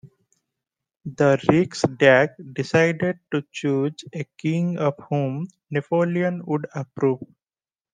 The Riksdag decided to choose a king of whom Napoleon would approve.